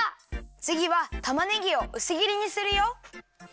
つぎはたまねぎをうすぎりにするよ。